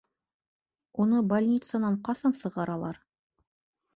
Уны больницанан ҡасан сығаралар?